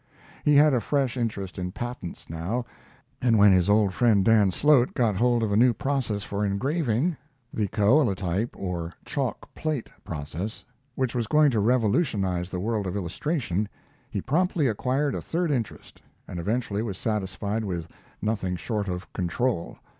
He had a fresh interest in patents now, and when his old friend Dan Slote got hold of a new process for engraving the kaolatype or "chalk plate" process which was going to revolutionize the world of illustration, he promptly acquired a third interest, and eventually was satisfied with nothing short of control.